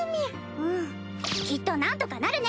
うんきっとなんとかなるね！